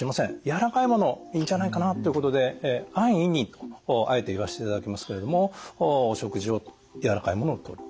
やわらかいものいいんじゃないかなっていうことで安易にとあえて言わせていただきますけれども食事をやわらかいものを取る。